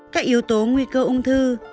các yếu tố nguy cơ ung thư